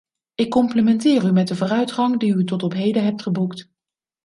Ik complimenteer u met de vooruitgang die u tot op heden hebt geboekt.